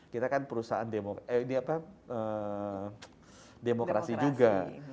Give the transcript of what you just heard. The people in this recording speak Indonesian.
kita kan perusahaan demokrasi juga